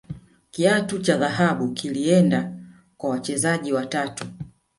kiatu cha dhahabu kilienda kwa wachezaji watatu